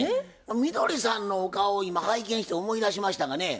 みどりさんのお顔を今拝見して思い出しましたがね